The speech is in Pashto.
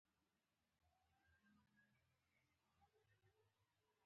له دې شیبې وروسته